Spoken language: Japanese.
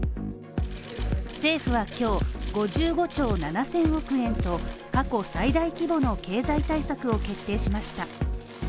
政府は今日５５兆７０００億円と過去最大規模の経済対策を決定しました。